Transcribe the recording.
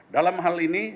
dalam hal ini